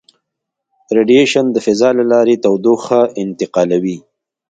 ریډیشن د فضا له لارې تودوخه انتقالوي.